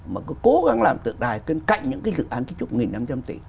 mà cứ cố gắng làm tượng đài cân cạnh những cái dự án kích trúc một năm trăm linh tỷ